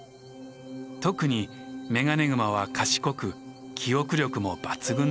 特にメガネグマは賢く記憶力も抜群です。